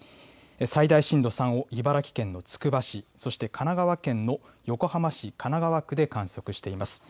最大震度３を茨城県のつくば市、そして神奈川県の横浜市神奈川区で観測しています。